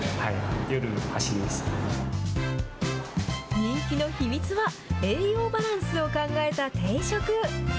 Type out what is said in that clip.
人気の秘密は、栄養バランスを考えた定食。